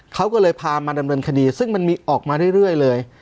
เขาก็เลยพามาดำเนินคดีซึ่งมันมีออกมาเรื่อยเลย